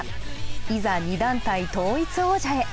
いざ２団体統一王者へ。